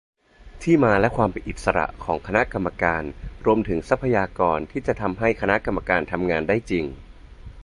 ที่มาและความเป็นอิสระของคณะกรรมการ รวมถึงทรัพยากรที่จะทำให้คณะกรรมการทำงานได้จริง